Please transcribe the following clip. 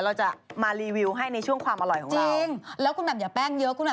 เจ้าช้าวไปหาอะไรกินอย่างนี้